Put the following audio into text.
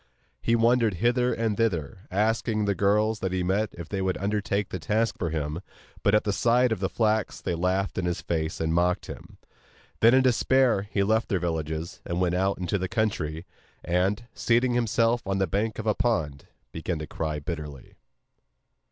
He wandered hither and thither, asking the girls that he met if they would undertake the task for him, but at the sight of the flax they laughed in his face and mocked at him. Then in despair he left their villages, and went out into the country, and, seating himself on the bank of a pond began to cry bitterly.